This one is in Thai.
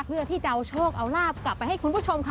เพื่อที่จะเอาโชคเอาลาบกลับไปให้คุณผู้ชมค่ะ